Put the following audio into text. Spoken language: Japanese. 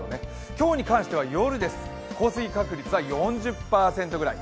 今日に関しては夜です、降水確率は４０％ぐらい。